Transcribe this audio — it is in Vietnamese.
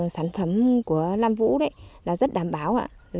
sản phẩm của nam vũ rất đảm bảo